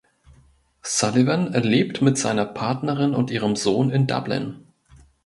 Sullivan lebt mit seiner Partnerin und ihrem Sohn in Dublin.